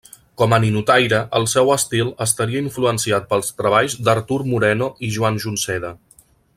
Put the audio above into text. Com a ninotaire, el seu estil estaria influenciat pels treballs d'Artur Moreno i Joan Junceda.